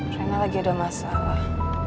rena lagi ada masalah